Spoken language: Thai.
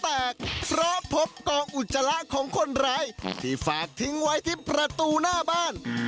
เพราะพบกองอุจจาระของคนร้ายที่ฝากทิ้งไว้ที่ประตูหน้าบ้าน